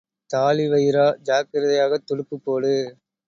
தாழிவயிறா, ஜாக்கிரதையாகத் துடுப்புப் போடு.